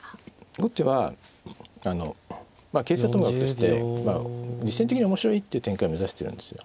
後手は形勢はともかくとして実戦的に面白いっていう展開目指してるんですよ。